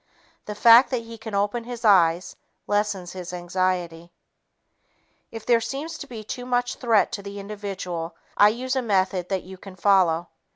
The fact that he can open his eyes lessens his anxiety. If there seems to be too much threat to the individual, I use a method that you can follow.